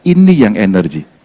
ini yang energi